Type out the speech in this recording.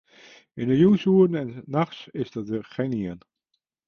Yn 'e jûnsoeren en nachts is dêr gjinien.